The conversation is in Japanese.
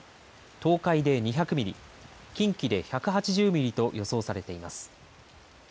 東海で２００ミリ、近畿で１８０ミリと予想されています。